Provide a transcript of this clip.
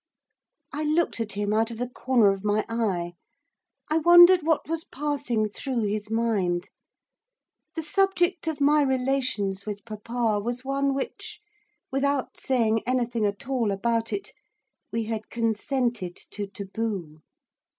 I looked at him out of the corner of my eye. I wondered what was passing through his mind. The subject of my relations with papa was one which, without saying anything at all about it, we had consented to taboo.